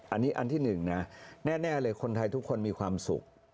อันที่๑แน่เลยคนไทยทุกคนมีความสุข